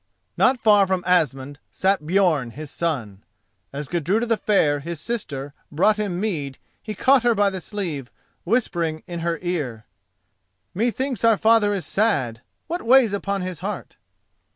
Not far from Asmund sat Björn, his son. As Gudruda the Fair, his sister, brought him mead he caught her by the sleeve, whispering in her ear. "Methinks our father is sad. What weighs upon his heart?"